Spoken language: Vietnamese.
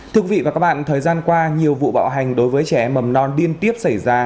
thưa quý vị và các bạn thời gian qua nhiều vụ bạo hành đối với trẻ mầm non liên tiếp xảy ra